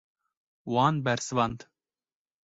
Wan bersivand.